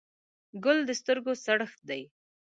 ګل د سترګو سړښت دی.